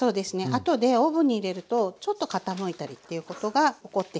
あとでオーブンに入れるとちょっと傾いたりっていうことが起こってきます。